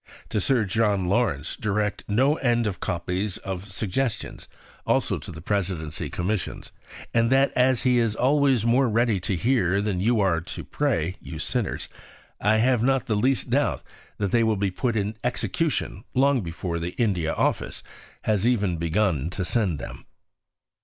to Sir John Lawrence direct no end of copies of Suggestions (also to the Presidency Commissions); and that, as he is always more ready to hear than you are to pray (you sinners!), I have not the least doubt that they will have been put in execution long before the India Office has even begun to send them."